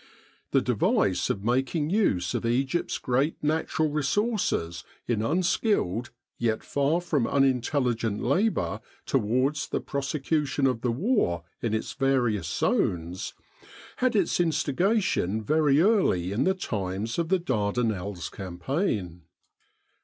The device of making use of Egypt's great natural resources in unskilled, yet far from unintelligent labour towards the prosecution of the War in its various zones, had its instigation very early in the times of the Dardanelles Campaign.